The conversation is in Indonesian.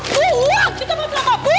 buang kita mau ke tempat buang